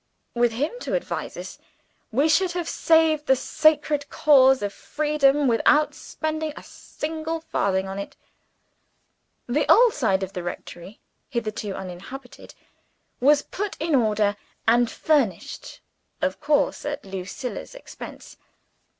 With him to advise us, we should have saved the sacred cause of Freedom without spending a single farthing on it!) The old side of the rectory, hitherto uninhabited, was put in order and furnished of course at Lucilla's expense.